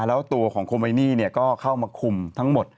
แล้วตัวของโคไมนี่ก็เข้ามาคุมทั้งหมด